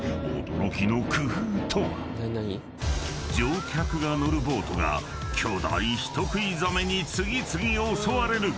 ［乗客が乗るボートが巨大人食いザメに次々襲われる］